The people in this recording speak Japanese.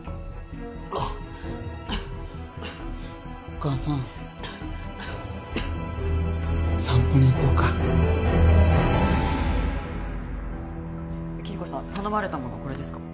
お母さん散歩に行こうかキリコさん頼まれたものこれですか？